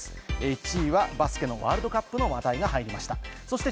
１位はバスケのワールドカップの話題が入りました。